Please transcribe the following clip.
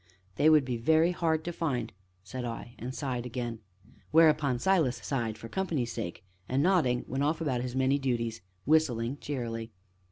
"They would be very hard to find!" said I, and sighed again. Whereupon Silas sighed, for company's sake, and nodding, went off about his many duties, whistling cheerily.